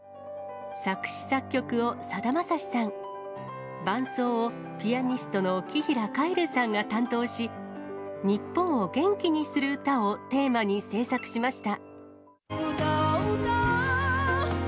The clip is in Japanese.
作詞・作曲をさだまさしさん、伴奏をピアニストの紀平凱成さんが担当し、日本を元気にする歌をテーマに制作しました。